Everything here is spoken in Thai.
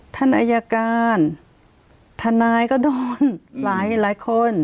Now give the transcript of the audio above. ธนายการธนายก็โดนหรือหลายหลายคน